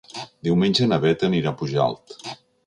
Diumenge na Beth anirà a Pujalt.